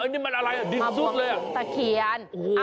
นี่มันอะไรดินซุดเลยอ่ะโอ้โฮดูดิตะเขียน